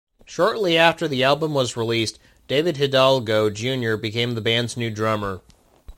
Shortly after the album was released, David Hidalgo, Junior became the band's new drummer.